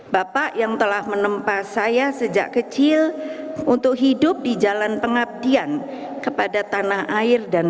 bapak yang telah menempa saya sejak kecil untuk hidup di jalan pengabdian kepada tanah air dan